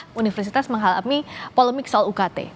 jadi bagaimana kita bisa menghalangi polemik soal ukt